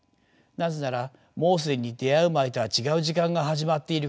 なぜならもう既に出会う前とは違う時間が始まっているからです。